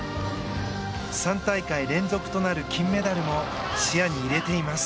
３大会連続となる金メダルも視野に入れています。